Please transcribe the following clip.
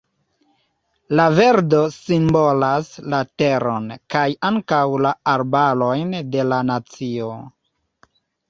La verdo simbolas la teron, kaj ankaŭ la arbarojn de la nacio.